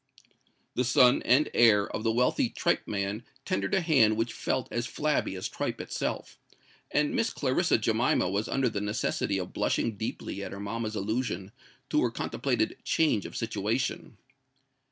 The son and heir of the wealthy tripe man tendered a hand which felt as flabby as tripe itself; and Miss Clarissa Jemima was under the necessity of blushing deeply at her mamma's allusion to her contemplated change of situation.